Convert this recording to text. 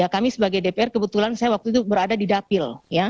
kami sebagai dpr kebetulan saya waktu itu berada di dapil